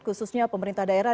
khususnya pemerintah daerah